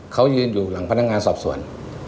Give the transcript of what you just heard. เขายืนอยู่หลังพนักงานสอบสวน